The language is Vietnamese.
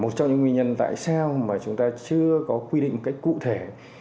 một trong những nguyên nhân tại sao mà chúng ta chưa có quy định một cách cụ thể